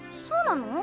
そうなの？